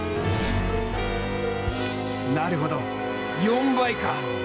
なるほど４倍か！